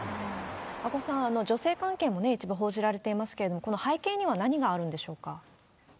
阿古さん、女性関係も一部報じられていますけれども、この背景には何があるんでしょうか？